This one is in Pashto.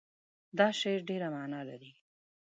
دا شعر ډېر معنا لري.